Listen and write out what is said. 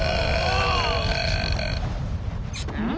うん？